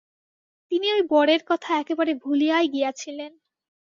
তিনি ঐ বরের কথা একেবারে ভুলিয়াই গিয়াছিলেন।